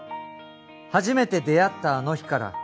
初めて出会ったあの日から